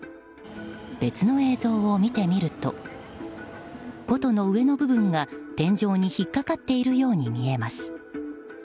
別の映像を見てみると琴の上の部分が天井に引っかかっているように見えます。